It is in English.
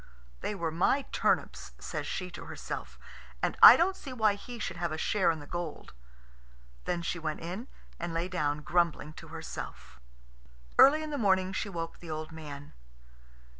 "They were my turnips," says she to herself, "and I don't see why he should have a share in the gold." Then she went in, and lay down grumbling to herself. Early in the morning she woke the old man.